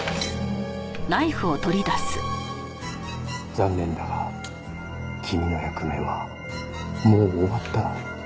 残念だが君の役目はもう終わった。